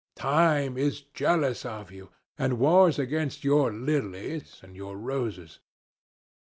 Time is jealous of you, and wars against your lilies and your roses.